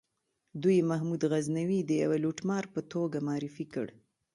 دوی محمود غزنوي د یوه لوټمار په توګه معرفي کړ.